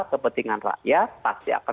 kepentingan rakyat pasti akan